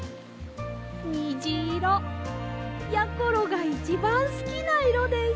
にじいろやころがいちばんすきないろです。